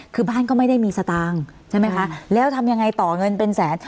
คือบ้านก็ไม่ได้มีสตางค์ใช่ไหมคะแล้วทำยังไงต่อเงินเป็นแสน